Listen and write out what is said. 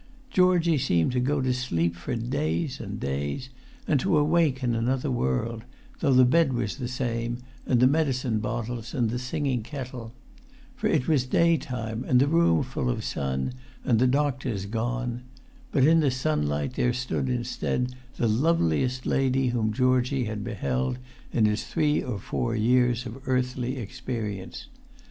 Georgie seemed to go to sleep for days and days, and to awake in another world, though the bed was the same, and the medicine bottles, and the singing kettle; for it was day time, and the room full of sun, and the doctors gone; but in the sunlight there stood instead the loveliest lady whom Georgie had beheld in his three or four years of earthly experience.